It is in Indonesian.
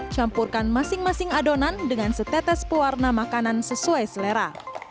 campurkan masing masing adonan dengan setetes pewarna makanan sesuai selera